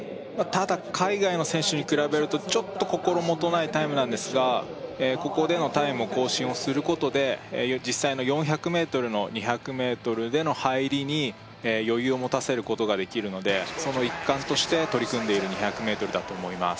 ただ海外の選手に比べるとちょっと心もとないタイムなんですがここでのタイム更新をすることで実際の４００ｍの２００ｍでの入りに余裕を持たせることができるのでその一環として取り組んでいる２００ｍだと思います